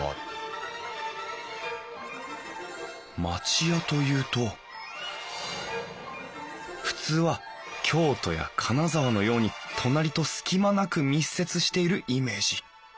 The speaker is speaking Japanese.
町屋というと普通は京都や金沢のように隣と隙間なく密接しているイメージ。